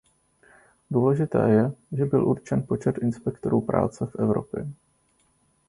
Důležité je, že byl určen počet inspektorů práce v Evropě.